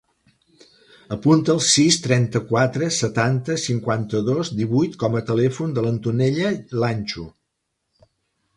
Apunta el sis, trenta-quatre, setanta, cinquanta-dos, divuit com a telèfon de l'Antonella Lancho.